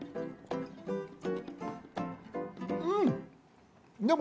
うん！